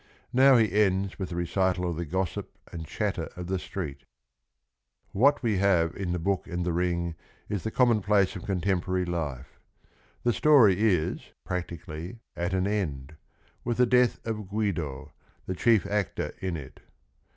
Now he ends with the recitalofjji e gossip an d c hatter otl the steeet What we have in T he Book and the Ring is the coSmonpl ace ot contemporar y life. The story is, practically, at an end, with the death of Guido, the chief actor in it.